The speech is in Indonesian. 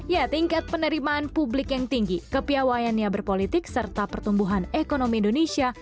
ya tingkat penerimaan publik yang tinggi kepiawayannya berpolitik serta pertumbuhan ekonomi indonesia